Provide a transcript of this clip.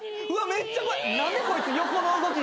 めっちゃ怖い。